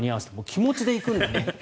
気持ちで行くんだと。